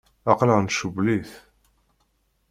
Aql-aɣ ncewwel-it.